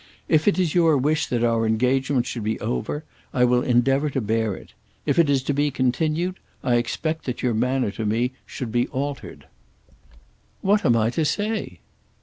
If it is your wish that our engagement should be over, I will endeavour to bear it. If it is to be continued, I expect that your manner to me should be altered." "What am I to say?"